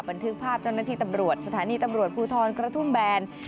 บันทึกภาพเจ้าหน้าที่ตำรวจสถานีตำรวจภูทรกระทุ่มแบน